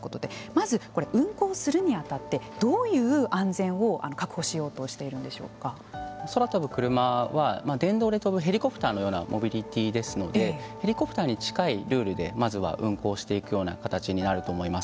まず、運航するに当たってどういう安全を確保しようと空飛ぶクルマは電動で飛ぶヘリコプターのようなモビリティーですのでヘリコプターに近いルールでまずは運航していくような形になると思います。